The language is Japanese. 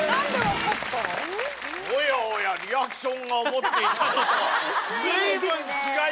おやおやリアクションが思っていたのとは随分違いましたが。